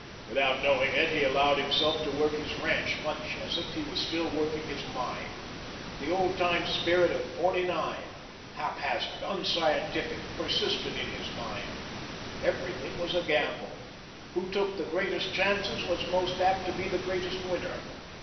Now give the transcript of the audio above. Without knowing it, he allowed himself to work his ranch much as if he was still working his mine. The old time spirit of '49, hap hazard, unscientific, persisted in his mind. Everything was a gamble who took the greatest chances was most apt to be the greatest winner.